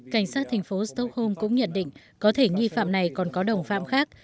cảnh sát thành phố stockholm cũng nhận định có thể nghi phạm này còn có đồng phạm khác